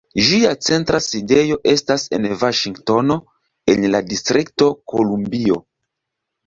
Ĝia centra sidejo estas en Vaŝingtono, en la Distrikto Kolumbio.